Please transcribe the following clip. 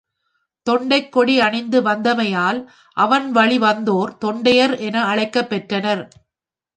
தொண்டைக் கொடி அணிந்து வந்தமையால், அவன் வழிவந்தோர் தொண்டையர் என அழைக்கப் பெற்றனர்.